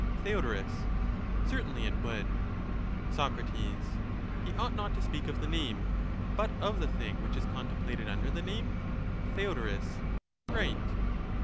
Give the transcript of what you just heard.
Theod, Certainly it would. Soc, He ought not to speak of the name, but of the thing which is contemplated under the name. Theod. Right.